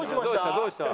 どうした？